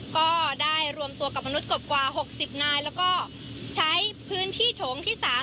ก็ได้รวมตัวกับมนุษย์กบกว่า๖๐นายแล้วก็ใช้พื้นที่โถงที่๓